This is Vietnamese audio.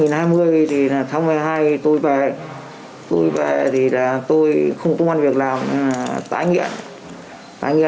tôi về thì tôi không có công an việc làm tái nghiện